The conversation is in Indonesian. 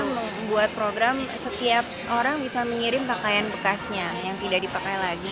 membuat program setiap orang bisa mengirim pakaian bekasnya yang tidak dipakai lagi